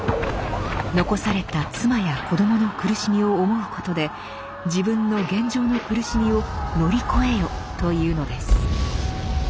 残された妻や子どもの苦しみを思うことで自分の現状の苦しみを乗り越えよと言うのです。